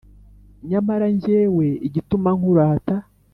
nyamara njyewe igituma nkurata